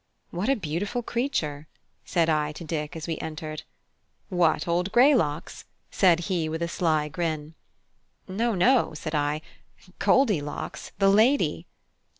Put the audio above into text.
"What a beautiful creature!" said I to Dick as we entered. "What, old Greylocks?" said he, with a sly grin. "No, no," said I; "Goldylocks, the lady."